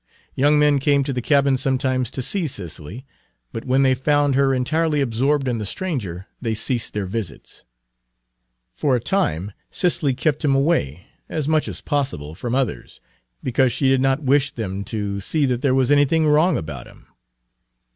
Young men came to the cabin sometimes to see Cicely, but when they found her entirely absorbed in the stranger they ceased their visits. For a time Cicely kept him away, as much as possible, from others, because she did not wish them to see that there was anything wrong about him.